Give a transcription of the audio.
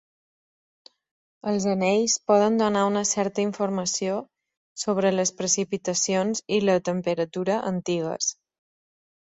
Els anells poden donar una certa informació sobre les precipitacions i la temperatura antigues.